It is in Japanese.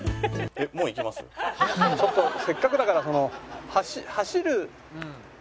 ちょっとせっかくだからその。